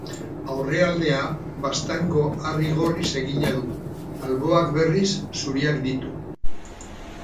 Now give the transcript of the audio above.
Aurrealdea Baztango harri gorriz egina du, alboak berriz zuriak ditu.